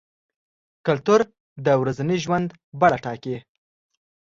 کلتور د ورځني ژوند بڼه ټاکي.